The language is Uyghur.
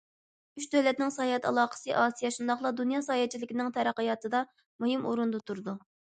ئۈچ دۆلەتنىڭ ساياھەت ئالاقىسى ئاسىيا، شۇنداقلا دۇنيا ساياھەتچىلىكىنىڭ تەرەققىياتىدا مۇھىم ئورۇندا تۇرىدۇ.